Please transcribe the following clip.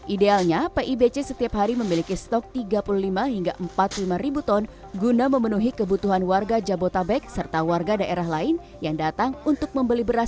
idealnya pibc setiap hari memiliki stok tiga puluh lima hingga empat puluh lima ribu ton guna memenuhi kebutuhan warga jabotabek serta warga daerah lain yang datang untuk membeli beras